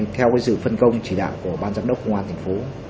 theo sự phân công chỉ đạo của ban giám đốc công an tp